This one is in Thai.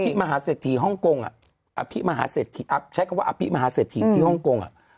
อัพพิมหาเสถีย์ห้องคงอ่ะอัพพิมหาเสถีย์อ่ะใช้คำว่าอัพพิมหาเสถีย์ที่ห้องคงอ่ะ